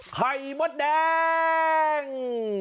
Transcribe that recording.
ไข่มดแดง